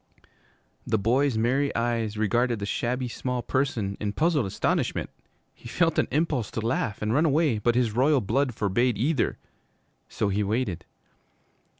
The boy's merry eyes regarded the shabby small person in puzzled astonishment. He felt an impulse to laugh and run away, but his royal blood forbade either. So he waited.